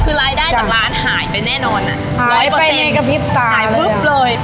คือรายได้จากร้านหายไปแน่นอนอ่ะหายไปในกระพริบตาเลยอ่ะหายปุ๊บเลย